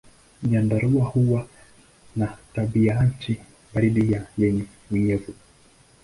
Nyandarua huwa na tabianchi baridi na yenye unyevu.